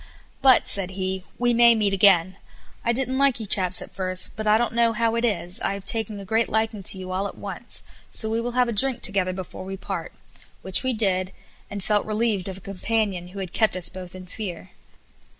"But," said he, "we may meet again. I didn't like you chaps at first, but I don't know how it is, I have taking a great liking to you all at once, so we will have a drink together before we part;" which we did, and felt relieved of a companion who had kept us both in fear.